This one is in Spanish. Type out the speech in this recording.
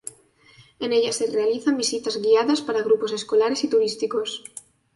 En ella se realizan visitas guiadas para grupos escolares y turísticos.